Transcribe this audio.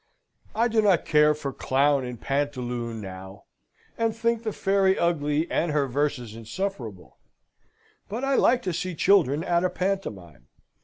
I do not care for clown and pantaloon now, and think the fairy ugly, and her verses insufferable: but I like to see children at a pantomime.